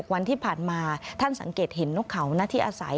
วันที่ผ่านมาท่านสังเกตเห็นนกเขานะที่อาศัย